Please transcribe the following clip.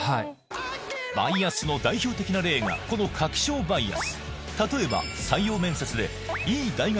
バイアスの代表的な例がこの確証バイアス